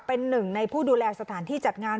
เป็นหนึ่งในผู้ดูแลสถานที่จัดงาน